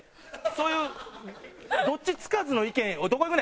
そういうどっちつかずの意見おい